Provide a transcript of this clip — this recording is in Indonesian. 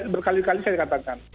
berkali kali saya katakan